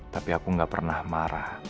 tapi aku gak pernah marah